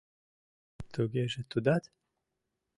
— Тугеже тудат?!